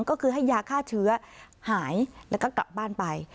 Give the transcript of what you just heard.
ก็คือให้ยาฆ่าเชื้อหายแล้วก็กลับบ้านไป